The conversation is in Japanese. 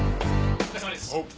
お疲れさまです。